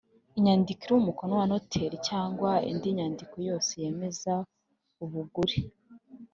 Inyandiko iriho umukono wa Noteri cyangwa indi nyandiko yose yemeza ubugure